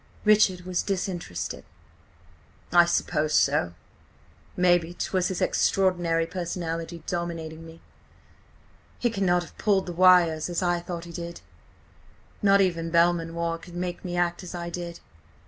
Richard was disinterested. "I suppose so. Mayhap 'twas his extraordinary personality dominating me. He cannot have pulled the wires as I thought he did. Not even Belmanoir could make me act as I did.